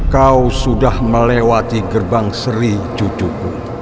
kau sudah melewati gerbang seri cucuku